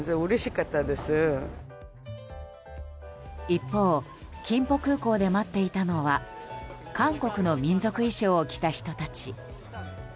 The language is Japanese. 一方、キンポ空港で待っていたのは韓国の民族衣装を着た人たち。